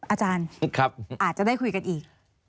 อาจารย์อาจจะได้คุยกันอีก